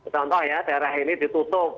contoh ya daerah ini ditutup